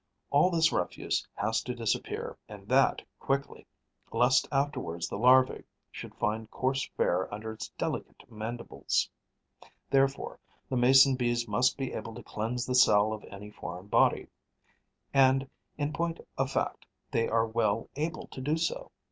All this refuse has to disappear and that quickly, lest afterwards the larva should find coarse fare under its delicate mandibles. Therefore the Mason bees must be able to cleanse the cell of any foreign body. And, in point of fact, they are well able to do so.